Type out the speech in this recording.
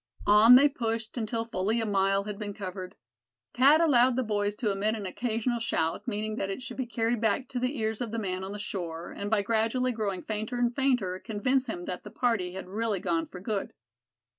On they pushed until fully a mile had been covered. Thad allowed the boys to emit an occasional shout, meaning that it should be carried back to the ears of the man on the shore, and by gradually growing fainter and fainter, convince him that the party had really gone for good.